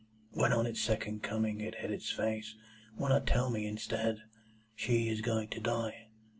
When on its second coming it hid its face, why not tell me, instead, 'She is going to die.